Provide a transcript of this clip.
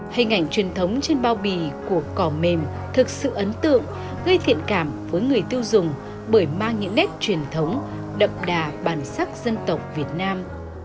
hình ảnh truyền thống trên bao bì của cỏ mềm thực sự ấn tượng gây thiện cảm với người tiêu dùng bởi mang những nét truyền thống đậm đà bản sắc dân tộc việt nam